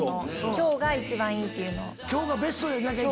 今日が一番いいっていうの。